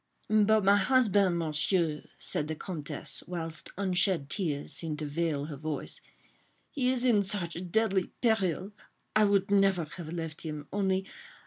." "But my husband, Monsieur," said the Comtesse, whilst unshed tears seemed to veil her voice, "he is in such deadly peril—I would never have left him, only